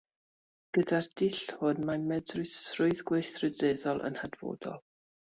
Gyda'r dull hwn mae medrusrwydd gweithredydd yn hanfodol.